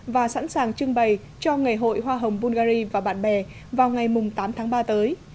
và sẵn sàng trưng bày cho ngày hội hoa hồng bulgari và bạn bè vào ngày tám tháng ba tới